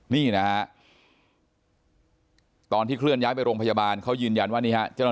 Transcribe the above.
นี่นะฮะตอนที่เคลื่อนย้ายไปโรงพยาบาลเขายืนยันว่านี่ฮะเจ้าหน้าที่